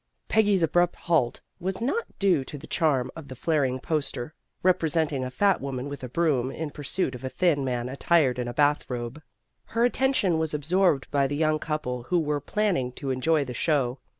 Peggy's abrupt halt was not due to the charm of the flaring poster, representing a fat woman with a broom in pursuit of a thin man attired in a bath robe. Her attention was absorbed by the young couple, who were plan ning to enjoy the show.